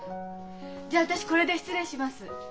じゃあ私これで失礼します。